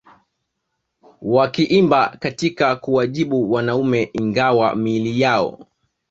wakiimba katika kuwajibu wanaume Ingawa miili yao